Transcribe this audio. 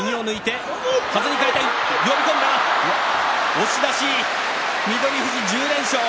押し出し翠富士、１０連勝。